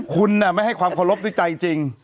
คุณไม่ให้ความเคารพด้วยใจจริง